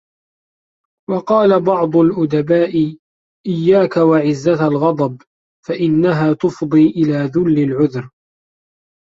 وَقَالَ بَعْضُ الْأُدَبَاءِ إيَّاكَ وَعِزَّةَ الْغَضَبِ فَإِنَّهَا تُفْضِي إلَى ذُلِّ الْعُذْرِ